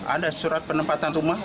ada surat penempatan rumah